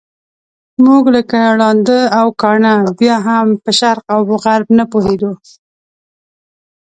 موږ لکه ړانده او کاڼه بیا هم په شرق او غرب نه پوهېدو.